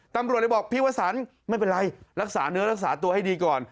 ตำรวจเลยบอกพี่วสันไม่เป็นไรรักษาเนื้อรักษาตัวให้ดีก่อน